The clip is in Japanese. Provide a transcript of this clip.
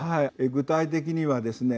具体的にはですね